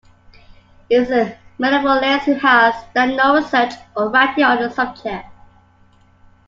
He is a medievalist who has done no research or writing on the subject.